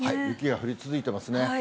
雪が降り続いていますね。